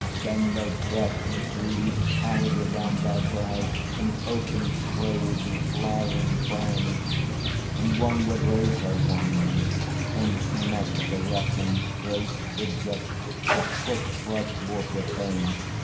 Then they pressed Wreathed ivy round their brows, and oaken sprays And flowering bryony. And one would raise Her wand and smite the rock, and straight a jet Of quick bright water came.